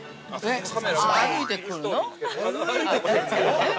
◆歩いてくるの？